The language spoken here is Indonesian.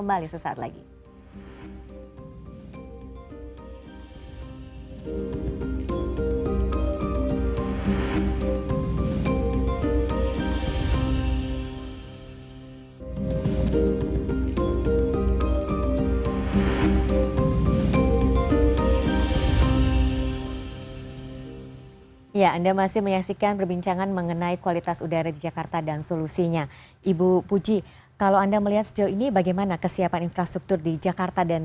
atau kendaraan listrik